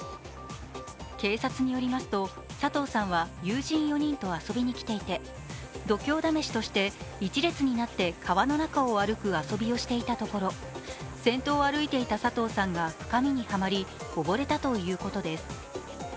警察によりますと、佐藤さんは友人４人と遊びにきていて、度胸試しとして一列になって川の中を歩く遊びをしていたところ先頭を歩いていた佐藤さんが深みにはまり溺れたということです。